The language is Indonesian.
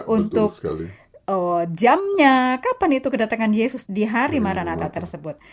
untuk jamnya kapan itu kedatangan yesus di hari maranatha tersebut